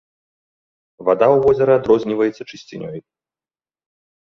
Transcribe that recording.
Вада ў возеры адрозніваецца чысцінёй.